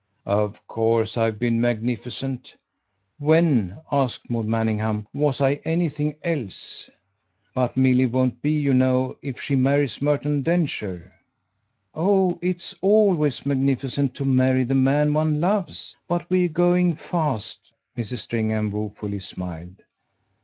"Of course I've been magnificent. When," asked Maud Manningham, "was I anything else? But Milly won't be, you know, if she marries Merton Densher." "Oh it's always magnificent to marry the man one loves. But we're going fast!" Mrs. Stringham woefully smiled.